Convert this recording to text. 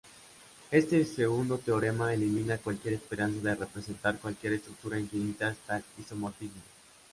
Este segundo teorema elimina cualquier esperanza de representar cualquier estructura infinita hasta el isomorfismo.